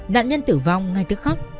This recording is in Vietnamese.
nạn nhân tử vong ngay tức khắc